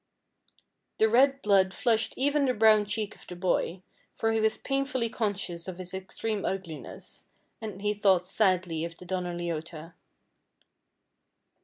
The red blood flushed even the brown cheek of the boy, for he was painfully conscious of his extreme ugliness, and he thought sadly of the Donna Leota.